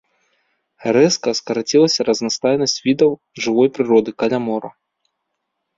Рэзка скарацілася разнастайнасць відаў жывой прыроды каля мора.